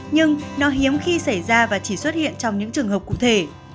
nhưng nó hiếm khi xảy ra và chỉ xuất hiện trong những trường hợp cụ thể